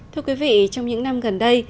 thưa quý vị trong những năm gần đây